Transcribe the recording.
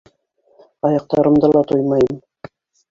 Аяҡтарымды ла тоймайым.